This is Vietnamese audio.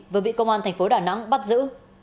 vừa bị công an tp đà nẵng bắt giữ